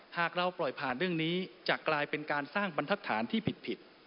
หากเราปล่อยผ่านเรื่องนี้จะกลายเป็นการสร้างบรรทัศน์ที่ผิด